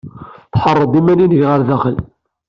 Tḥeṛṛed iman-nnek ɣer daxel.